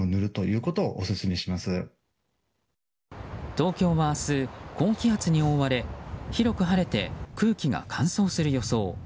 東京は明日、高気圧に覆われ広く晴れて空気が乾燥する予想。